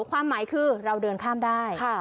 ความหมายคือเราเดินข้ามได้